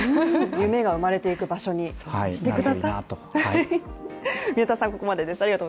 夢が生まれていく場所にしてください。